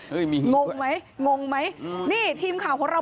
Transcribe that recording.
มีนี่ด้วยงงไหมงงไหมนี่ทีมข่าวของเรา